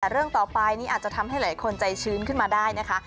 แต่เรื่องต่อไปนี้อาจจะทำให้หลายคนใจชื้นขึ้นมาได้นะคะ